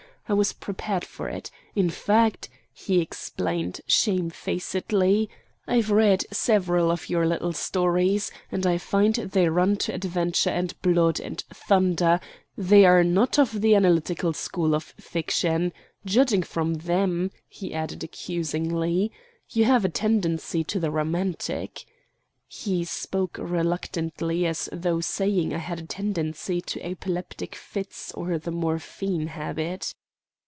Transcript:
I was prepared for it. In fact," he explained shamefacedly, "I've read several of your little stories, and I find they run to adventure and blood and thunder; they are not of the analytical school of fiction. Judging from them," he added accusingly, "you have a tendency to the romantic." He spoke reluctantly as though saying I had a tendency to epileptic fits or the morphine habit.